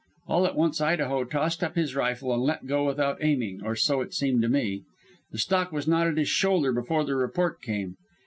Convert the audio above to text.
All at once Idaho tossed up his rifle and let go without aiming or so it seemed to me. The stock was not at his shoulder before the report came.